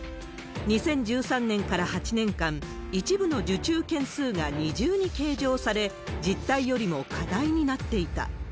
２０１３年から８年間、一部の受注件数が二重に計上され、実態よりも課題になっていた。